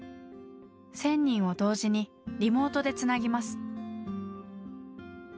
１，０００人を同時にリモートでつなぎます。